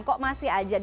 kok masih aja